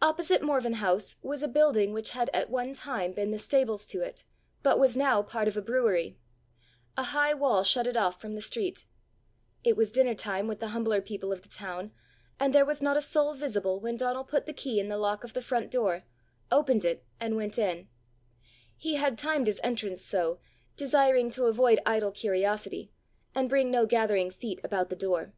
Opposite Morven House was a building which had at one time been the stables to it, but was now part of a brewery; a high wall shut it off from the street; it was dinner time with the humbler people of the town, and there was not a soul visible, when Donal put the key in the lock of the front door, opened it, and went in: he had timed his entrance so, desiring to avoid idle curiosity, and bring no gathering feet about the house.